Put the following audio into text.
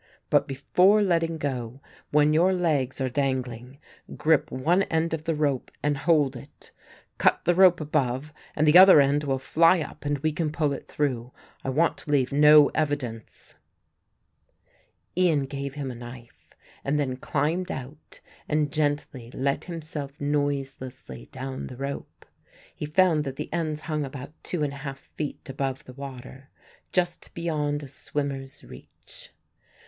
But before letting go, when your legs are dangling, grip one end of the rope and hold it, cut the rope above and the other end will fly up and we can pull it through. I want to leave no evidence." Ian gave him a knife and then climbed out and gently let himself noiselessly down the rope. He found that the ends hung about two and a half feet above the water, just beyond a swimmer's reach.